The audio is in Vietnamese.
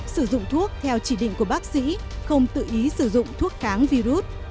sử dụng thuốc theo chỉ định của bác sĩ không tự ý sử dụng thuốc kháng virus